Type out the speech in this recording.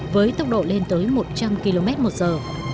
với tốc độ lên tới một trăm linh km một giờ